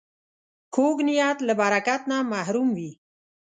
کوږ نیت له برکت نه محروم وي